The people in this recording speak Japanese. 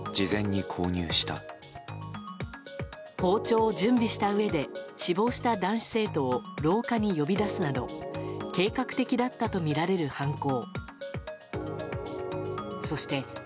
包丁を準備したうえで死亡した男子生徒を廊下に呼び出すなど計画的だったとみられる犯行。